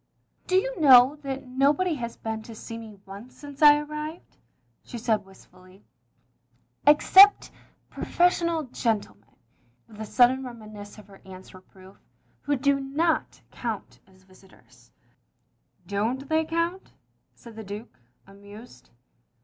"Do you know that nobody has been to see me once since I arrived?" she said, wistfully, xia THE LONELY LADY 113 "except professional gentlemen" (with a sudden renainiscence of her atint's reproof) "who do not count as visitors." "Don't they count?" said the Duke, amused.